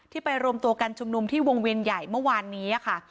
ไปรวมตัวกันชุมนุมที่วงเวียนใหญ่เมื่อวานนี้ค่ะ